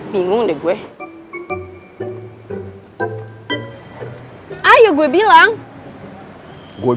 bingung deh gue